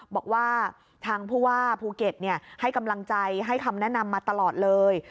บอกว่าทางผู้ว่าภูเก็ตให้กำลังใจให้คำแนะนำมาตลอดเลย